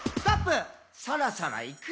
「そろそろいくよー」